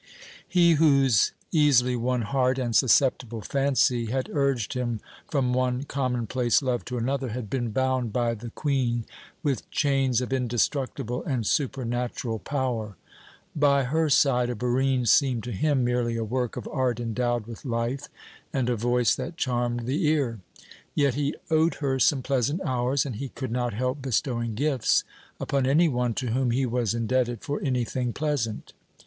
He whose easily won heart and susceptible fancy had urged him from one commonplace love to another had been bound by the Queen with chains of indestructible and supernatural power. By her side a Barine seemed to him merely a work of art endowed with life and a voice that charmed the ear. Yet he owed her some pleasant hours, and he could not help bestowing gifts upon any one to whom he was indebted for anything pleasant.